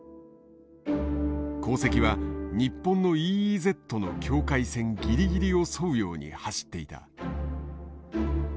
航跡は日本のＥＥＺの境界線ぎりぎりを沿うように走っていた。